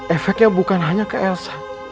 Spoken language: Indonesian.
efeknya bukan hanya ke elsa